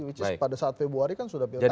which is pada saat februari kan sudah pilih tadi